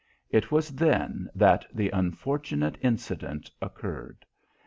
It was then that the unfortunate incident occurred.